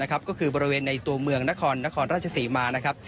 ก็คือบริเวณในตัวเมืองนครนครราชศรีมานะครับ